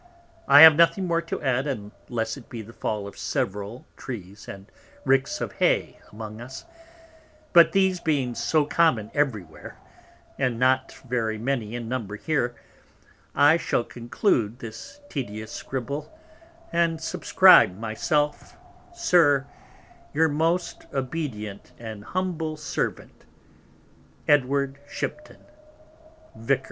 I have nothing more to add, unless it be the fall of several Trees and Ricks of Hay amongst us, but these being so common every where, and not very many in number here, I shall Conclude this tedious Scrible, and Subscribe my self, SIR, Your most Obedient and Humble Servant, Fairford, Gloucest. January 1703/4. Edw. Shipton, _Vic.